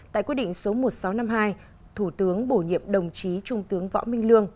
tại quyết định số một nghìn sáu trăm năm mươi hai thủ tướng bổ nhiệm đồng chí trung tướng võ minh lương